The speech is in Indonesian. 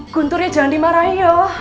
guntur ya jangan dimarahin